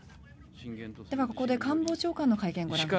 ではここで、官房長官の会見をご覧ください。